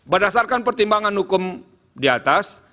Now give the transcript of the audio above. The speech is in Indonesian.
berdasarkan pertimbangan hukum di atas